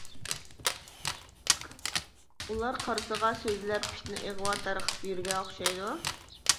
-ئۇلار قارىسىغا سۆزلەپ، پىتنە-ئىغۋا تارقىتىپ يۈرگەن ئوخشايدۇ.